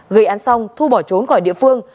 gây án xong thu bỏ trốn khỏi địa phương